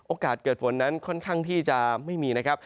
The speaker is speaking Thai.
เกิดฝนนั้นค่อนข้างที่จะไม่มีนะครับ